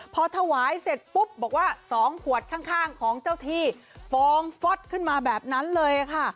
พอถวายเสร็จปุ๊บบอกว่า๒ขวดข้างของเจ้าที่ฟองฟอตขึ้นมาแบบนั้นเลยค่ะ